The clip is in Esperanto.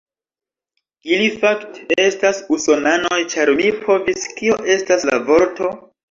Ili fakte, estas usonanoj ĉar mi povis, kio estas la vorto?